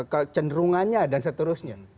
kecenderungannya dan seterusnya